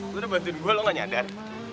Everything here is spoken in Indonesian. gue udah bantuin gue lo gak nyadar